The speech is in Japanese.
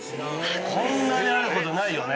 こんなにあることないよね？